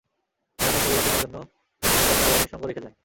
জানো, পরিবর্তনের জন্য তারা কাউকে আবার নিঃসঙ্গ রেখে যায়।